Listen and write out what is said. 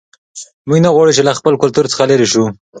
موږ نه غواړو چې له خپل کلتور څخه لیرې سو.